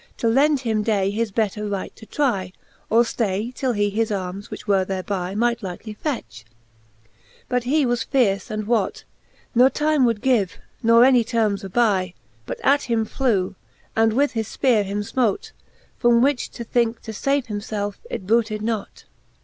To lend him day his better right to trie. Or ftay, till he his armes, which were thereby, Might lightly fetch. But he was fierce and whot, Ne time would give, nor any termes aby, But at him flew, and with his fpeare him fmot; From which to thinke to fave himfelfe, it booted not..